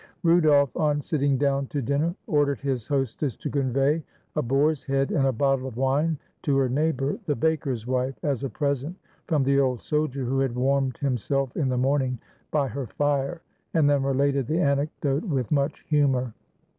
Rudolf, on sitting down to dinner, ordered his hostess to convey a boar's head and a bottle of wine to her neighbor, the baker's wife, as a present from the old sol dier who had warmed himself in the morning by her fire, and then related the anecdote with much humor.